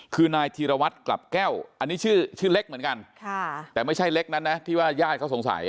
คือนายธีรวัตรกลับแก้วอันนี้ชื่อชื่อเล็กเหมือนกันแต่ไม่ใช่เล็กนั้นนะที่ว่าญาติเขาสงสัย